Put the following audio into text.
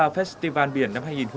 festival biển hai nghìn hai mươi ba